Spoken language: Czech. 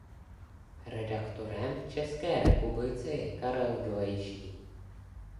Redaktorem v České republice je Karel Dolejší.